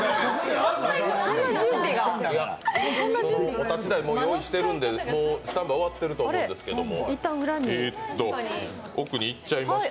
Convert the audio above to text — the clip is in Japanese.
お立ち台、用意してるんでもうスタンバイ終わっていると思うんですけど奥に行っちゃいました。